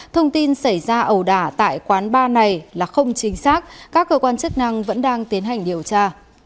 thông tin xảy ra ẩu đả tại quán bar này là không chính xác các cơ quan chức năng vẫn đang tiến hành điều tra